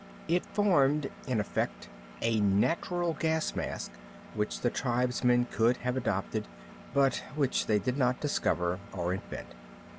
It formed, in effect, a natural gas mask which the tribesmen should have adopted, but which they did not discover or invent.